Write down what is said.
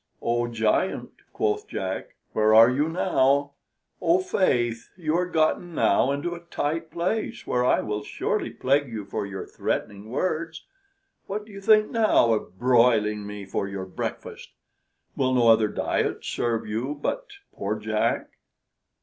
"Oh Giant," quoth Jack, "where are you now? Oh, faith, you are gotten now into a tight place, where I will surely plague you for your threatening words; what do you think now of broiling me for your breakfast? Will no other diet serve you but poor Jack?"